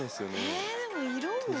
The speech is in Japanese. えでも色も。